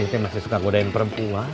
saya masih suka godain perempuan